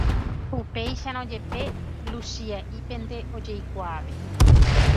Upéicharõ jepe, Luchia'ípente ojekuaave.